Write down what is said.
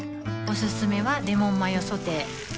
おすすめはレモンマヨソテー